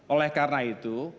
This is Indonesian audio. oleh karena itu